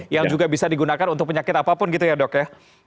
yang juga bisa digunakan untuk penyakit apapun gitu ya dok ya